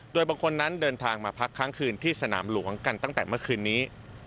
โดยบางคนนั้นเดินทางมาพักค้างคืนที่สนามหลวงกันตั้งแต่เมื่อคืนนี้